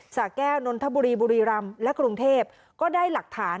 สาแก้วนนทบุรีบุรีรำและกรุงเทพก็ได้หลักฐาน